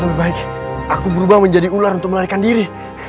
lebih baik aku berubah menjadi ular untuk melarikan diri